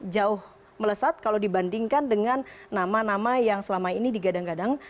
jauh melesat kalau dibandingkan dengan nama nama yang selama ini digadang gadang